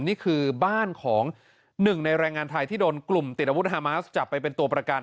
นี่คือบ้านของหนึ่งในแรงงานไทยที่โดนกลุ่มติดอาวุธฮามาสจับไปเป็นตัวประกัน